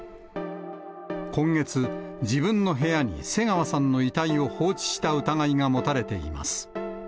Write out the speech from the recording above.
今月、自分の部屋に瀬川さんの遺体を放置した疑いが持たれています。